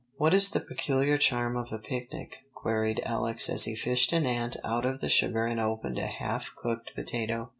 "What is the peculiar charm of a picnic?" queried Alex as he fished an ant out of the sugar and opened a half cooked potato.